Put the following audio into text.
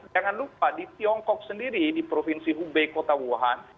jangan lupa di tiongkok sendiri di provinsi hubei kota wuhan